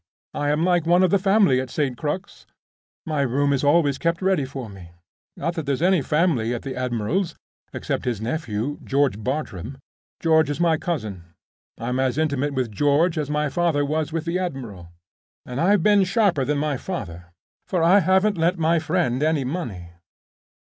I am like one of the family at St. Crux; my room is always kept ready for me. Not that there's any family at the admiral's except his nephew, George Bartram. George is my cousin; I'm as intimate with George as my father was with the admiral; and I've been sharper than my father, for I haven't lent my friend any money.